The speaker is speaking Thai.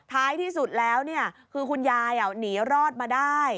ท้ายที่สุดแล้วคือคุณยายหนีรอดมาได้